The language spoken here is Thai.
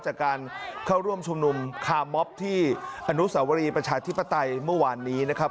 จากการเข้าร่วมชุมนุมคาร์มอบที่อนุสาวรีประชาธิปไตยเมื่อวานนี้นะครับ